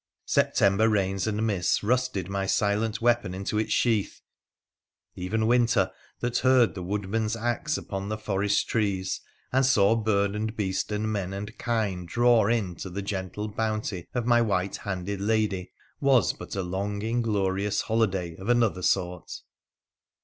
September rains and mists rusted my silent weapon into its sheath ; even winter, that heard the woodman's axe upon the forest trees, and saw bird and beast and men and kiue draw in to the gentle bounty of my white handed lady, was but a long inglorious holiday of another sort.